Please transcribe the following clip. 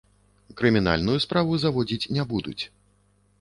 Крымінальную справу заводзіць не будуць.